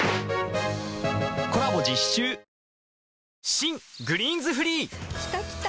新「グリーンズフリー」きたきた！